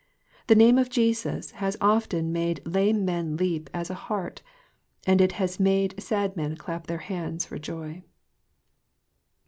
The name of Jesus has often made lame men leap as a hart, and it has made sad men clap their hands for joy.